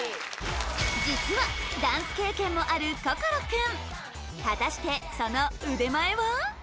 実はダンス経験もある心くん果たしてその腕前は？